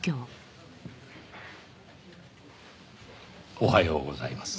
おはようございます。